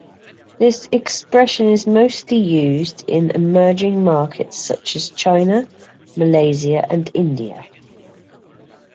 This expression is mostly used in emerging markets such as China, Malaysia and India.